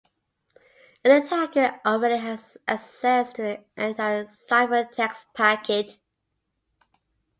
An attacker already has access to the entire ciphertext packet.